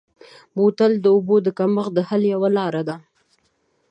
بوتل د اوبو د کمښت د حل یوه لاره ده.